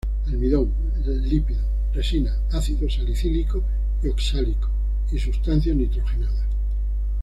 Almidón, lípidos, resina, ácidos salicílico y oxálico, y sustancias nitrogenadas.